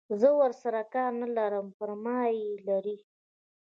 زه ورسره کار نه لرم پر ما یې لري.